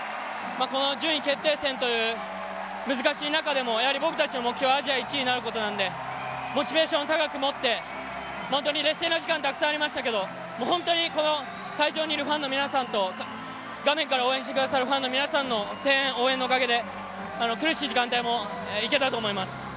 順位決定戦という難しい中でも、僕たちの目標はアジア１位になることなんで、モチベーションを高く持って、劣勢な時間がたくさんありましたけれども、本当に会場にいるファンの皆さんと画面から応援して下さるファンの皆さんの声援、応援のおかげで苦しい時間帯もいけたと思います。